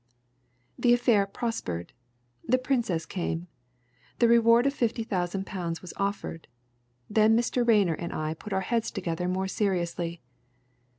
"The affair prospered. The Princess came. The reward of fifty thousand pounds was offered. Then Mr. Rayner and I put our heads together more seriously.